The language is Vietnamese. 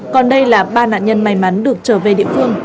còn đây là ba nạn nhân may mắn được trở về địa phương